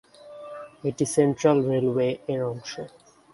এটি central railway এর অংশ।